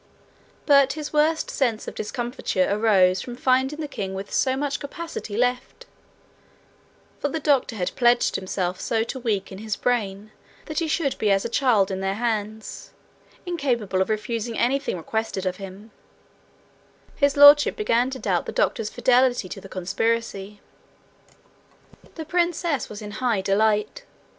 But his worst sense of discomfiture arose from finding the king with so much capacity left, for the doctor had pledged himself so to weaken his brain that he should be as a child in their hands, incapable of refusing anything requested of him: His Lordship began to doubt the doctor's fidelity to the conspiracy. The princess was in high delight.